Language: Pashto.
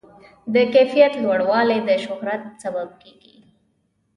د کیفیت لوړوالی د شهرت سبب کېږي.